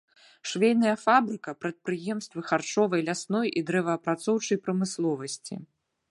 Швейная фабрыка, прадпрыемствы харчовай, лясной і дрэваапрацоўчай прамысловасці.